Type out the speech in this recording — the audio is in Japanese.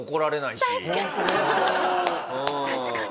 確かに。